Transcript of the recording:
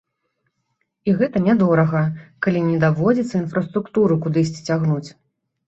І гэта нядорага, калі не даводзіцца інфраструктуру кудысьці цягнуць.